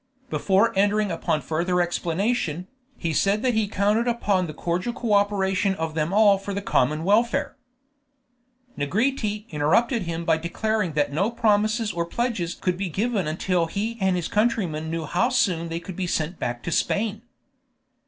Before entering upon further explanation, he said that he counted upon the cordial co operation of them all for the common welfare. Negrete interrupted him by declaring that no promises or pledges could be given until he and his countrymen knew how soon they could be sent back to Spain.